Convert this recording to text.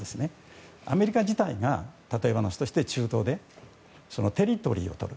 アメリカ自体が例えば、中東でテリトリーをとる。